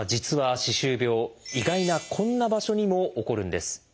意外なこんな場所にも起こるんです。